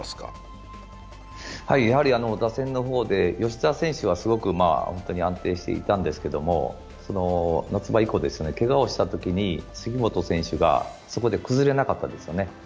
打線の方で吉田選手はすごく安定していたんですけど、夏場以降、けがをしたときに杉本選手がそこで崩れなかったですね。